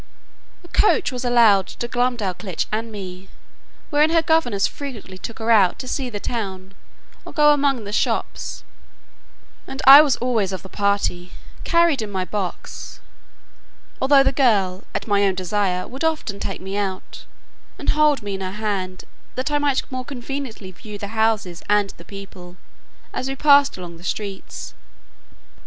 A coach was allowed to Glumdalclitch and me, wherein her governess frequently took her out to see the town, or go among the shops; and I was always of the party, carried in my box; although the girl, at my own desire, would often take me out, and hold me in her hand, that I might more conveniently view the houses and the people, as we passed along the streets.